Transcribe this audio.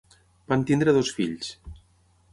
Van tenir dos fills: